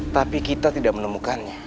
tapi kita tidak menemukannya